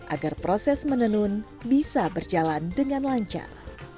agar proses menenun bisa berjalan dengan lancar